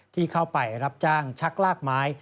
ที่เข้าไปรับจ้างชักลากไม้